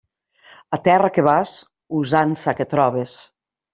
A terra que vas, usança que trobes.